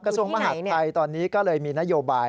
กระทรวงมหัตต์ไตยตอนนี้ก็เลยมีนโยบาย